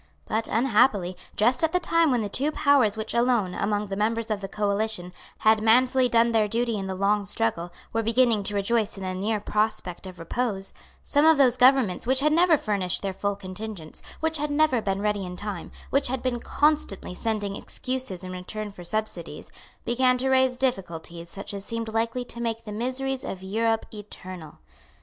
But, unhappily, just at the time when the two powers which alone, among the members of the coalition, had manfully done their duty in the long struggle, were beginning to rejoice in the near prospect of repose, some of those governments which had never furnished their full contingents, which had never been ready in time, which had been constantly sending excuses in return for subsidies, began to raise difficulties such as seemed likely to make the miseries of Europe eternal.